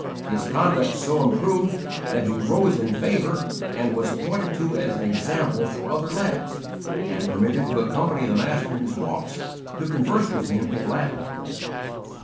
His conduct so improved that he rose in favour and was pointed to as an example for the other lads, and permitted to accompany the master in his walks, to converse with him in Latin.